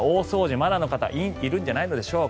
まだの方いるんじゃないでしょうか。